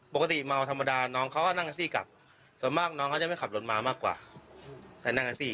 ปกติเมาส์ธรรมดาน้องเขาก็นั่งด้านซี่กลับส่วนมากลายจะไปขับลนมามากกว่าแค่นั่งด้านซี่